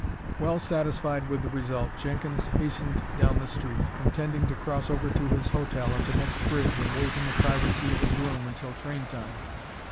Well satisfied with the result, Jenkins hastened down the street, intending to cross over to his hotel at the next bridge and wait in the privacy of his room until train time.